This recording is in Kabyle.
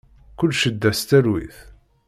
Kul ccedda s talwit.